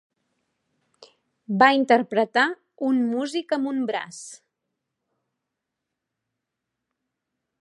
Va interpretar un músic amb un braç.